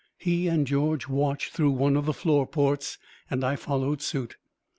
He and George watched through one of the floor ports and I followed suit.